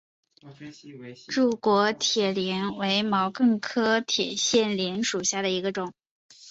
柱果铁线莲为毛茛科铁线莲属下的一个种。